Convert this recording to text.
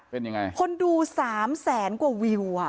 เป็นยังไงคนดูสามแสนกว่าวิวอ่ะ